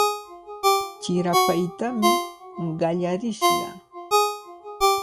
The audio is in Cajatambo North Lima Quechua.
Chirapaytami qallarishqa.